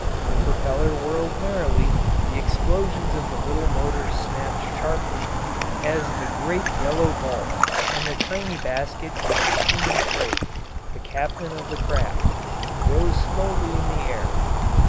The propeller whirled merrily, the explosions of the little motor snapped sharply as the great yellow bulk and the tiny basket with its human freight, the captain of the craft, rose slowly in the air.